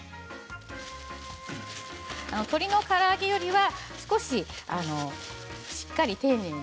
鶏のから揚げよりは少ししっかりと丁寧に。